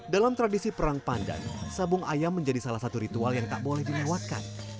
dalam tradisi perang pandan sabung ayam menjadi salah satu ritual yang tak boleh dilewatkan